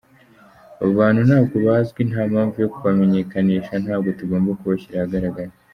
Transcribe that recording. Abo bantu ntabwo bazwi, nta mpamvu yo kubamenyekanisha, ntabwo tugomba kubashyira ahagaragara.